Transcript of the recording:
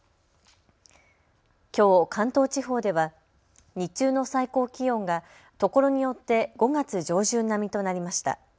きょう関東地方では日中の最高気温がところによって５月上旬並みとなりました。